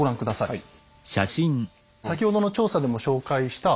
はい。